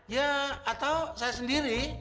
ya atau saya sendiri